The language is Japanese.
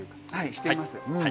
しています。